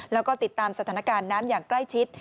แล้วก็ติดตามสถานการณ์น้ำอย่างใกล้ชิด